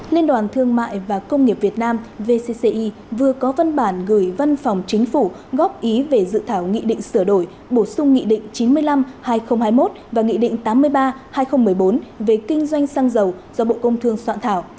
liên đoàn thương mại và công nghiệp việt nam vcci vừa có văn bản gửi văn phòng chính phủ góp ý về dự thảo nghị định sửa đổi bổ sung nghị định chín mươi năm hai nghìn hai mươi một và nghị định tám mươi ba hai nghìn một mươi bốn về kinh doanh xăng dầu do bộ công thương soạn thảo